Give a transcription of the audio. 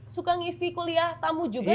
suka ngisi kuliah tamu juga ya kang ya